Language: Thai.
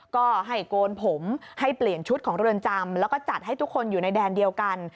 ก็ให้โกนผมให้เปลี่ยนชุดของเรือนจำแล้วก็จัดให้ทุกคนอยู่ในแดนเดียวกัน